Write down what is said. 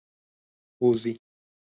ووځی.